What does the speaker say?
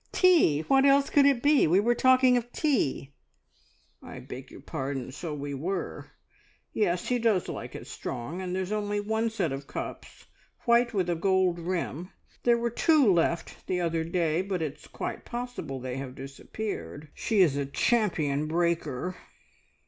"Tea! What else could it be? We were talking of tea." "I beg your pardon. So we were. Yes, he does like it strong, and there's only one set of cups, white with a gold rim. There were two left the other day, but it's quite possible they have disappeared. She is a champion breaker."